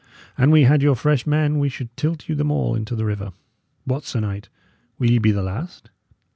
An we had your fresh men, we should tilt you them all into the river. What, sir knight! Will ye be the last?